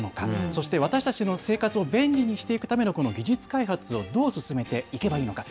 そして私たちの生活を便利にしていくための、この技術開発をどう進めていけばいいのか。